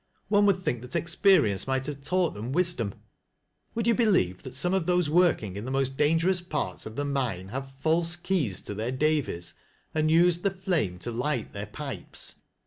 One would think that experience might have taught them wisdom Would you believe that some of those working in the most dangerous parts of the mine have false keys to their Davys, and use the flame to light their pipes